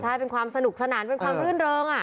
ใช่เป็นความสนุกสนานเป็นความรื่นเริง